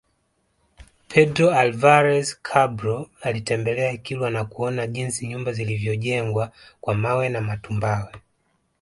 Pedro Alvares Cabral alitembelea Kilwa na kuona jinsi nyumba zilivyojengwa kwa mawe na matumbawe